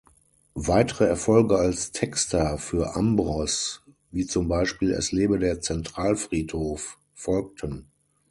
Weitere Erfolge als Texter für Ambros wie zum Beispiel "Es lebe der Zentralfriedhof" folgten.